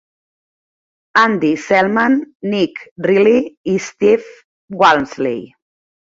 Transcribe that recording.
Andy Selman, Nick Riley i Steve Walmsley.